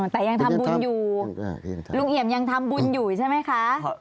แต่ยังทำบุญอยู่ลุงเอี่ยมยังทำบุญอยู่ใช่ไหมคะ